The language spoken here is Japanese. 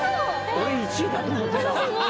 俺１位だと思ってた。